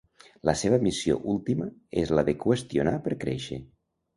La seva missió última és la de qüestionar per créixer.